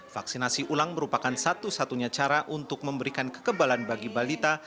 vaksinasi ulang merupakan satu satunya cara untuk memberikan kekebalan bagi balita